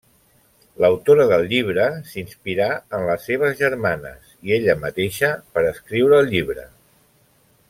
L'autora del llibre, s'inspirà en les seves germanes i ella mateixa per escriure el llibre.